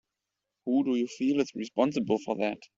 Who do you feel is responsible for that?